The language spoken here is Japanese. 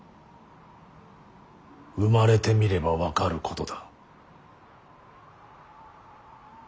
生まれてみれば分かることだ。